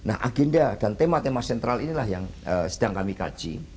nah agenda dan tema tema sentral inilah yang sedang kami kaji